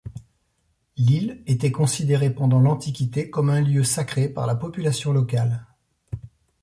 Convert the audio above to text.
L'île était considérée, pendant l'Antiquité, comme un lieu sacré par la population locale.